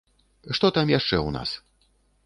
Што там яшчэ ў нас?